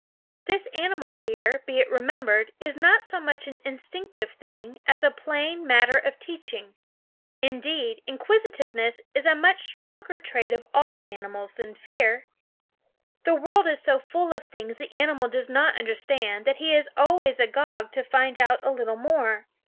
This animal fear, be it remembered, is not so much an instinctive thing as a plain mat ter of teaching. Indeed, inquisitiveness is a much stronger trait of all animals than fear. The world is so full of things the animal does not understand that he is always agog to find out a little more.